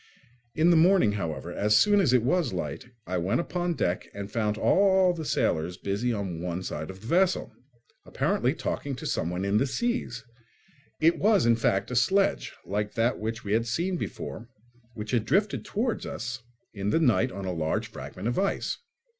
In the morning, however, as soon as it was light, I went upon deck and found all the sailors busy on one side of the vessel, apparently talking to someone in the sea. It was, in fact, a sledge, like that we had seen before, which had drifted towards us in the night on a large fragment of ice.